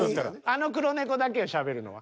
あの黒猫だけよしゃべるのは。